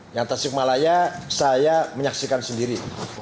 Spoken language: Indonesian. yang tasikmalaya saya menyaksikan sendiri